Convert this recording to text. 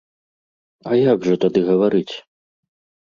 А як жа тады гаварыць?